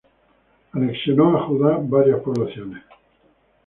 Anexionó a Judá varias poblaciones.